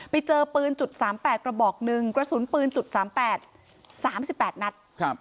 ไปเจอปืน๓๘กระบอกหนึ่งกระสุนปืน๓๘๓๘นัด